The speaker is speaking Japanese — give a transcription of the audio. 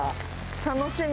楽しみ。